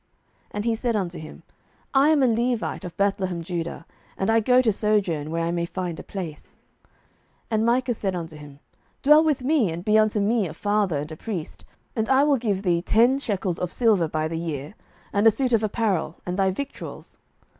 And he said unto him, I am a Levite of Bethlehemjudah, and I go to sojourn where I may find a place. 07:017:010 And Micah said unto him, Dwell with me, and be unto me a father and a priest, and I will give thee ten shekels of silver by the year, and a suit of apparel, and thy victuals.